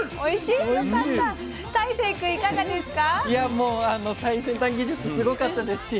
いやもう最先端技術すごかったですし